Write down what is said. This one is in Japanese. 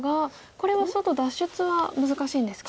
これは外脱出は難しいんですか。